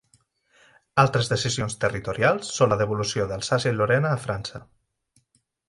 Altres decisions territorials són la devolució d'Alsàcia i Lorena a França.